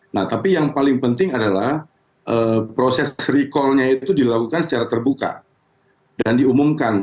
nah tapi yang paling penting adalah proses recallnya itu dilakukan secara terbuka dan diumumkan